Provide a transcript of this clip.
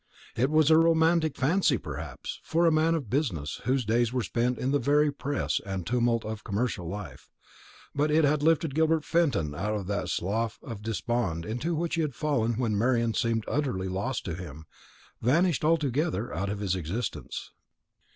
It was a romantic fancy, perhaps, for a man of business, whose days were spent in the very press and tumult of commercial life; but it had lifted Gilbert Fenton out of that slough of despond into which he had fallen when Marian seemed utterly lost to him vanished altogether out of his existence.